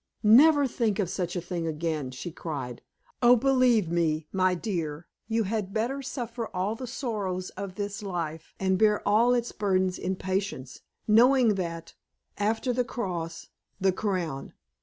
"Never think of such a thing again," she cried. "Oh, believe me, my dear, you had better suffer all the sorrows of this life, and bear all its burdens in patience, knowing that, after the cross, the crown.